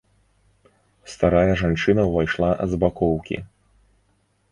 Старая жанчына ўвайшла з бакоўкі.